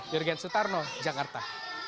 jurgen sutarno jakarta